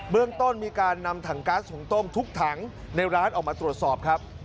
เรื่องต้นมีการนำถังก๊าซหุงต้มทุกถังในร้านออกมาตรวจสอบครับ